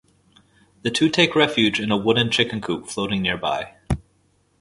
The two take refuge in a wooden chicken-coop floating nearby.